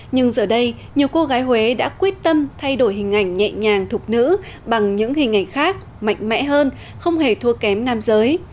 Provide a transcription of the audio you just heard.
nhưng giờ đây nhiều cô gái huế đã quyết tâm thay đổi hình ảnh nhẹ nhàng thục nữ bằng những hình ảnh khác mạnh mẽ hơn không hề thua kém nam giới